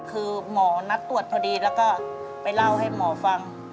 คือหมอนัดตรวจพอดีแล้วก็ไปเล่าให้หมอฟัง